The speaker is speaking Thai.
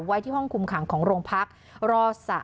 ไว้ที่ห้องคุมขังของโรงพัก